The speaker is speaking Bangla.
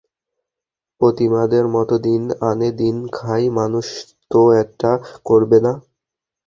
প্রতিমাদের মতো দিন আনে দিন খায় মানুষ তো এটা করবে না।